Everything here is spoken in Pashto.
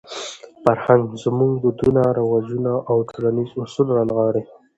فرهنګ زموږ دودونه، رواجونه او ټولنیز اصول رانغاړي.